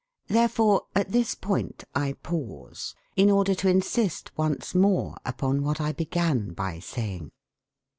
Therefore at this point I pause, in order to insist once more upon what I began by saying.